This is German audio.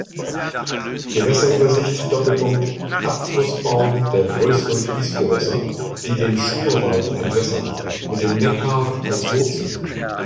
Gewässerübersicht:Abflussbaum der größeren Fließgewässer, die den Schurwald entwässern, mit dem Neckar als Wurzel.